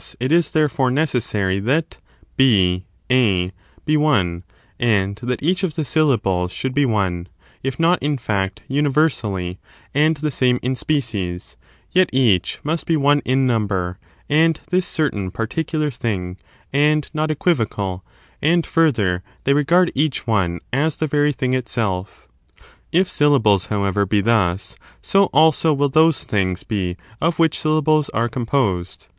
^ jg^ therefore, necessary that BA be one, and that each of the syllables should be one, if not, in feet, universally and the same in species, yet each must be one in number, and this certain particular thing, and not equivocal ; and, further, they regard each one as the very thing itself. If syllables, however, be thus, so also will those things be of which syllables are composed.